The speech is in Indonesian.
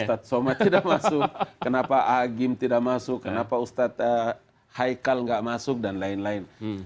ustadz somad tidak masuk kenapa agim ⁇ tidak masuk kenapa ustadz haikal nggak masuk dan lain lain